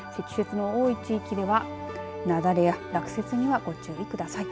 積雪の多い地域では雪崩や落雪にはご注意ください。